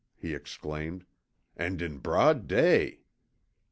he exclaimed. "And in broad day!"